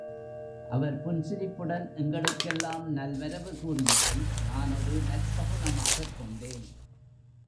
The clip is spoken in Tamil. அவர் புன்சிரிப்புடன் எங்களுக்கெல்லாம் நல்வரவு கூறியதை நான் ஒரு நற்சகுனமாகக் கொண்டேன்.